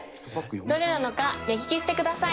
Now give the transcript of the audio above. どれなのか目利きしてください。